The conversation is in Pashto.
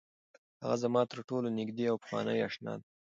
هغه زما تر ټولو نږدې او پخوانۍ اشنا ده.